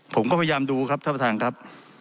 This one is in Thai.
ผมก็พยายามดูครับท่านประธานครับ